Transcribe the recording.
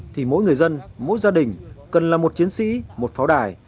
thì mỗi người dân mỗi gia đình cần là một chiến sĩ một pháo đài